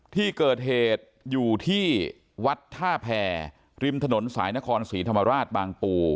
ที่เกิดเหตุอยู่ที่วัดท่าแพรริมถนนสายนครศรีธรรมราชบางปู